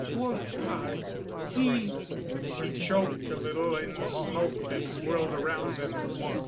"Wolfgar he " She choked a little in the smoke that swirled around them.